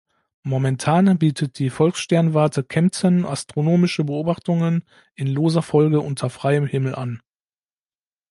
Momentan bietet die Volkssternwarte Kempten astronomische Beobachtungen in loser Folge unter freiem Himmel an.